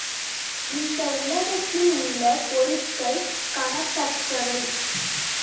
இந்த உலகத்தில் உள்ள பொருள்கள் கணக்கற்றவை.